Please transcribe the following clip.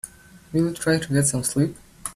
Will you try to get some sleep?